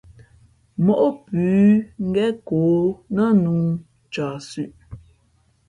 Móʼ pʉ̌ ngén kǒ nά nǔ ncααhsʉ̄ʼ.